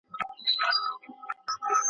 که ملت خپل اتحاد له لاسه ورکړي، ټولنه ګډوډېږي.